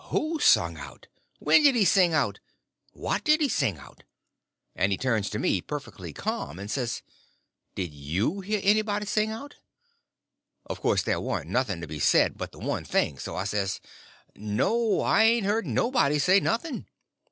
Who sung out? When did he sing out? what did he sing out?" And turns to me, perfectly ca'm, and says, "Did you hear anybody sing out?" Of course there warn't nothing to be said but the one thing; so I says: "No; I ain't heard nobody say nothing."